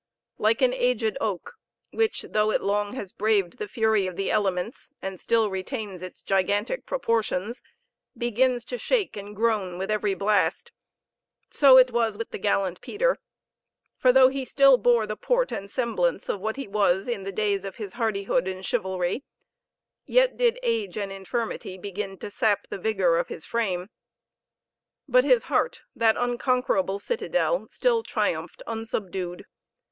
Like an aged oak, which, though it long has braved the fury of the elements, and still retains its gigantic proportions, begins to shake and groan, with every blast so was it with the gallant Peter; for though he still bore the port and semblance of what he was in the days of his hardihood and chivalry, yet did age and infirmity begin to sap the vigor of his frame but his heart, that unconquerable citadel, still triumphed unsubdued.